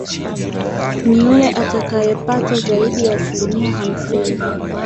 ni yule atakayepata zaidi ya asilimia hamsini